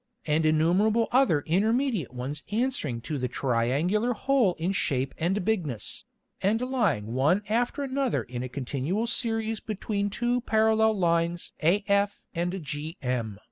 and innumerable other intermediate ones answering to the triangular Hole in Shape and Bigness, and lying one after another in a continual Series between two Parallel Lines af and gm.